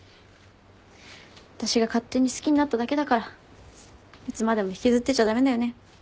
私が勝手に好きになっただけだからいつまでも引きずってちゃ駄目だよね。